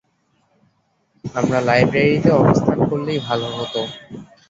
আমরা লাইব্রেরিতে অবস্থান করলেই ভালো হতো।